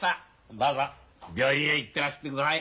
どうぞ病院へ行ってらしてください。